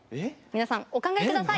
皆さんお考え下さい！